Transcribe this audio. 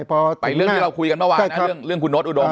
แต่เรื่องที่เราคุยกันเมื่อวานนะเรื่องคุณโน๊ตอุดม